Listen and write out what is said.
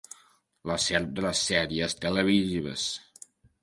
La serp de les sèries televisives.